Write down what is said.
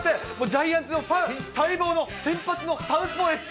ジャイアンツのファン、待望の先発のサウスポーです。